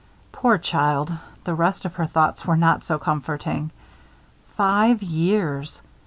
Poor child, the rest of her thoughts were not so comforting. Five years!